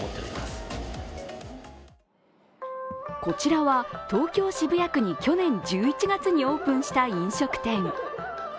こちらは東京・渋谷区に去年１１月にオープンした飲食店。